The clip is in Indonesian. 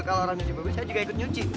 kalau orang nyusih mobil saya juga ikut nyusih